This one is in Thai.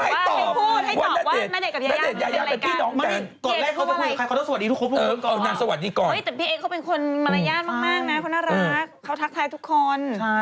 แต่พี่เอ๊เขาเป็นคนมารยาทมากนะเขาน่ารักเขาทักทายทุกคน